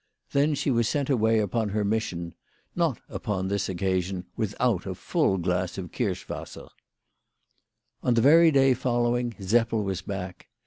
Then she was sent away upon her mission, not, upon this occasion, without a full glass of kirsch wasser. On the very day following Seppel was back.